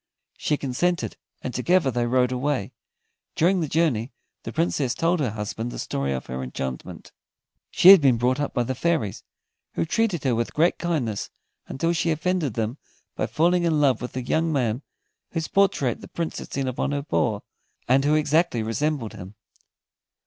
She consented, and together they rode away. During the journey, the Princess told her husband the story of her enchantment. She had been brought up by the fairies, who treated her with great kindness until she offended them by falling in love with the young man whose portrait the Prince had seen upon her paw, and who exactly resembled him.